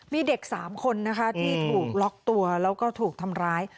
มีเด็ก๓คนนะคะที่ถูกล็อกตัวแล้วก็ถูกทำร้าย